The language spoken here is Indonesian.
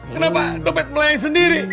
kenapa dompet melayang sendiri